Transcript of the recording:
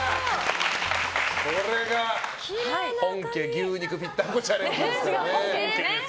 これが本家牛肉ぴったんこチャレンジです。